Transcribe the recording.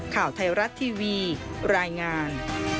ข่าวไทยรัฐทีวีรายงาน